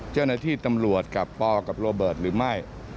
เจ้าหน้าที่ตำรวจกับปกับโรเบิร์ตหรือไม่